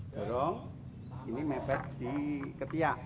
dorong ini mepet di ketiak